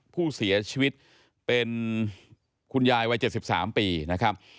ผู้เสียชีวิตเป็นคุณยายวัย๗๓ปีนะครับ